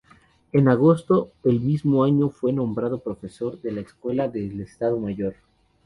En agosto del mismo año fue nombrado profesor de la Escuela del Estado Mayor.